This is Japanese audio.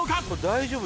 大丈夫？